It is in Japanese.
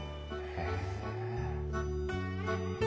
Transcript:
へえ。